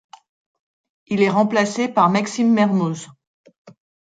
Il est remplacé par Maxime Mermoz.